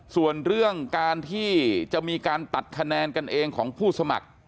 ส่วนเรื่องการที่จะมีการตัดคะแนนกันเองของผู้สมัคร